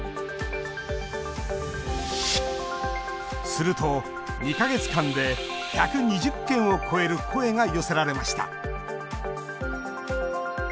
すると２か月間で、１２０件を超える声が寄せられました。